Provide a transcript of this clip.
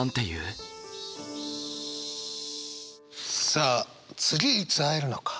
さあ次いつ会えるのか。